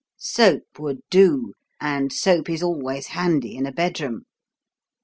Soap would do and soap is always handy in a bedroom.